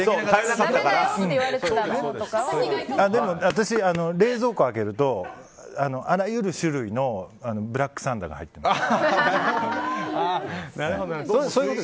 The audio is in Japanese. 私、冷蔵庫開けるとあらゆる種類のブラックサンダーが入ってます。